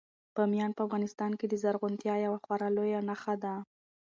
بامیان په افغانستان کې د زرغونتیا یوه خورا لویه نښه ده.